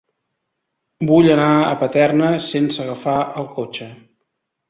Vull anar a Paterna sense agafar el cotxe.